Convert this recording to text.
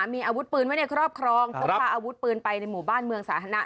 มีอาวุธปืนไว้ในครอบครองพกพาอาวุธปืนไปในหมู่บ้านเมืองสาธารณะ